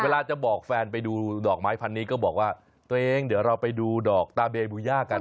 เวลาจะบอกแฟนไปดูดอกไม้พันนี้ก็บอกว่าตัวเองเดี๋ยวเราไปดูดอกตาเบบูย่ากัน